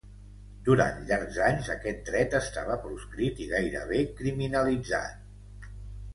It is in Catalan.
Durant llargs anys aquest dret estava proscrit i gairebé criminalitzat.